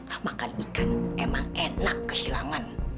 padahal gue kena masalah